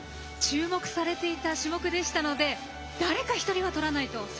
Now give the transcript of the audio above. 注目されていた種目でしたので誰か１人はとらないと。